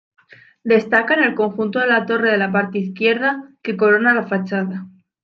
Destaca en el conjunto la torre de la parte izquierda, que corona la fachada.